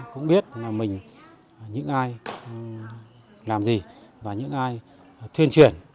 cũng biết là mình những ai làm gì và những ai thuyên truyền